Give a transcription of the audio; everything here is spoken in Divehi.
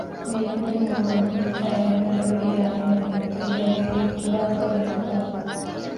އެއީ ކުރިން އަޅުގަނޑު ބުނި ޗައިނާ ދަނޑުވެރިޔާ އޭނާގެ އުދައްޔާއި ގެރިއަށް ކުރާކަހަލަ އިތުބާރު